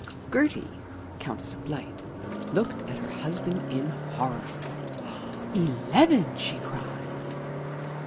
Gertie (Countess of Blight) looked at her husband in horror. "Eleven!" she cried.